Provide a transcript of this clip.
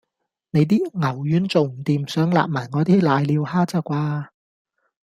你啲牛丸做唔掂，想擸埋我啲攋尿蝦咋啩